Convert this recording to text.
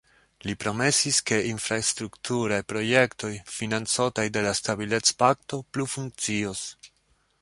Li promesis, ke infrastrukturaj projektoj, financotaj de la Stabilecpakto, plu funkcios.